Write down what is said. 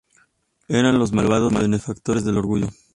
Eran los malvados benefactores del Orgullo.